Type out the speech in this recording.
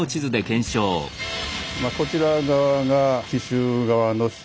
まあこちら側が紀州側の主張。